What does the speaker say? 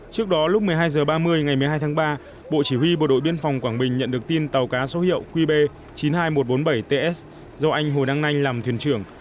trước đó lúc một mươi hai h ba mươi ngày một mươi hai tháng ba bộ chỉ huy bộ đội biên phòng quảng bình nhận được tin tàu cá số hiệu qb chín mươi hai nghìn một trăm bốn mươi bảy ts do anh hồ đăng anh làm thuyền trưởng